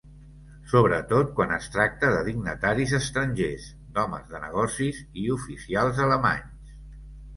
Sobretot quan es tracta de dignataris estrangers, d'homes de negocis i oficials alemanys.